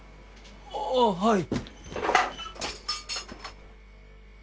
あぁはい。